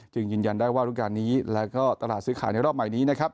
ยืนยันได้ว่ารูปการณ์นี้แล้วก็ตลาดซื้อขายในรอบใหม่นี้นะครับ